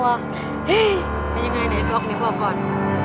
เฮ้ยเป็นยังไงเนี่ยดวกนี้บอกก่อน